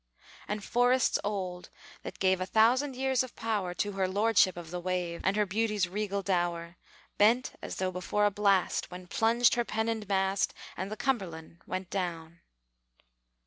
And forests old, that gave A thousand years of power To her lordship of the wave And her beauty's regal dower, Bent, as though before a blast, When plunged her pennoned mast, And the Cumberland went down.